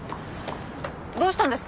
どうしたんですか？